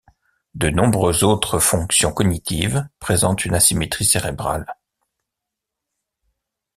De nombreuses autres fonctions cognitives présentent une asymétrie cérébrale.